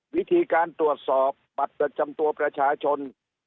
วิธีการตรวจสอบบัตรประจำตัวประชาชน